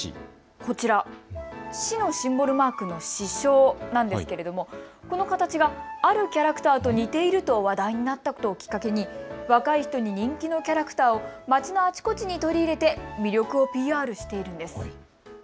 こちらは市のシンボルマークの市章なんですけれどもこの形があるキャラクターと似ていると話題になったことをきっかけに若い人に人気のキャラクターをまちのあちこちに取り入れて魅力をＰＲしているんです。